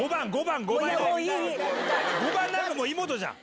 ５番もうイモトじゃん！